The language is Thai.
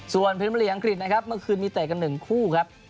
ส่วนพิมพลีอังกฤษนะครับเมื่อคืนมีเตะกัน๑คู่ครับ